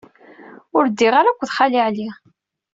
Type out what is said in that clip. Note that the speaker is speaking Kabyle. Ur d-ddiɣ ara akked Xali Ɛli.